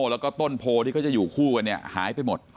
แล้วก็ต้นโพที่เขาจะอยู่คู่กันเนี่ยหายไปหมด